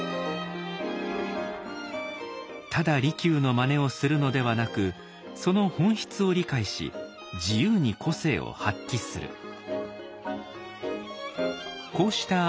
ただ利休のまねをするのではなくその本質を理解し自由に個性を発揮する。